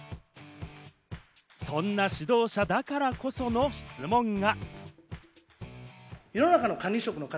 そんな指導者だからこその質問が。